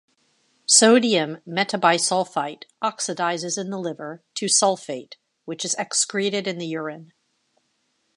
Sodium metabisulfite oxidizes in the liver to sulfate which is excreted in the urine.